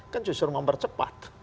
kan justru mempercepat